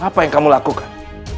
apa yang kamu lakukan